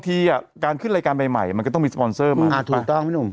เอ้าถูกต้องพี่หนุ่ม